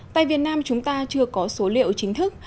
tại việt nam chúng ta chưa có số liệu chính thức